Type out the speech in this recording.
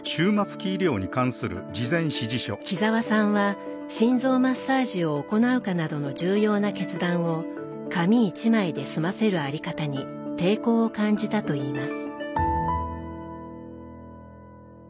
木澤さんは心臓マッサージを行うかなどの重要な決断を紙１枚で済ませる在り方に抵抗を感じたといいます。